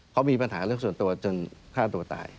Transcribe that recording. เขามีปัญหาเรื่องส่วนตัวจนฆ่าตัวตาย